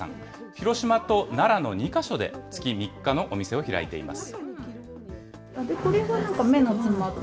広島と奈良の２か所で月３日のお店を開いています。